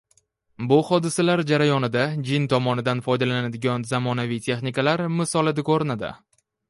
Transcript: Bu hodisalar jarayonida Jin tomonidan foydalaniladigan zamonaviy teknikalar misolida ko`rinadi